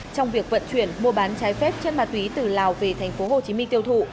trong việc vận chuyển mua bán trái phép chân ma túy từ lào về tp hcm tiêu thụ